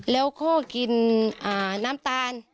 แล้วก็กินน้ำตาล